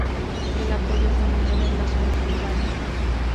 El apoyo fue menor en las zonas urbanas.